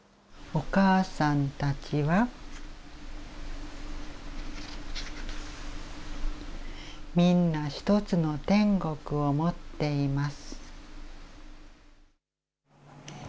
お母さんたちは、みんな一つの天国を持っています。